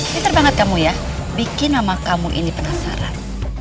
pinter banget kamu ya bikin nama kamu ini penasaran